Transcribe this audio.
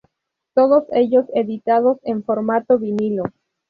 Todos ellos editados en formato vinilo.